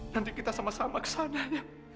nanti kita sama sama ke sana ya